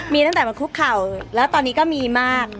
มีตั้งแต่มาคุกเข่าแล้วตอนนี้ก็มีมาก